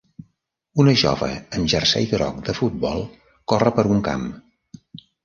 Una jove amb jersei groc de futbol corre per un camp.